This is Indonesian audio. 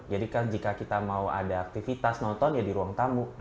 jadi kan jika kita mau ada aktivitas nonton ya di ruang tamu